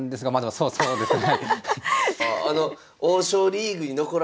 そうですね。